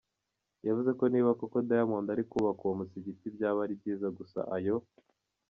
yavuze ko niba koko Diamond ari kubaka uwo musigiti byaba ari byiza gusa ayo.